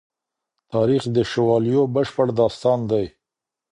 تاریخ د شوالیو بشپړ داستان دی.